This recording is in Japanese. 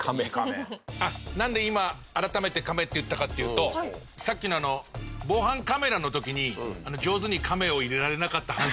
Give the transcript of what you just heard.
あっなんで今改めて「カメ」って言ったかっていうとさっきのあの防犯カメラの時に上手に「カメ」を入れられなかった反省からです。